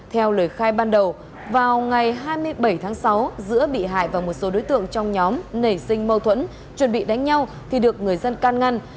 theo lời khai ban đầu vào ngày hai mươi bảy tháng sáu giữa bị hại và một số đối tượng trong nhóm nảy sinh mâu thuẫn chuẩn bị đánh nhau thì được người dân can ngăn